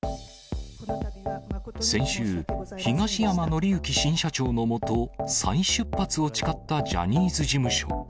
先週、東山紀之新社長の下、再出発を誓ったジャニーズ事務所。